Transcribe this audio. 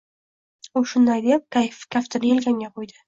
U shunday deb, kaftini yelkamga qo‘ydi.